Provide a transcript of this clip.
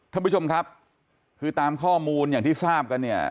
ท่านผู้ชมครับคือตามข้อมูลอย่างที่ทราบกันเนี่ย